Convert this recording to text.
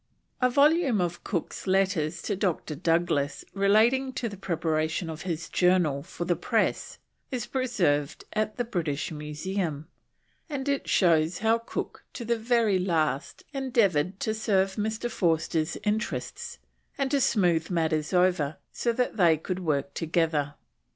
A volume of Cook's letters to Dr. Douglas relating to the preparation of his Journal for the press is preserved at the British Museum, and it shows how Cook to the very last endeavoured to serve Mr. Forster's interests, and to smooth matters over so that they could work together.